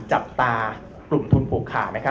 จับตากลุ่มทุนผูกขาด